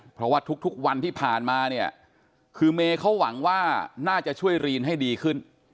เพราะว่าทุกวันที่ผ่านมาเมเขาหวังว่าน่าจะช่วยเรนให้ดีขึ้น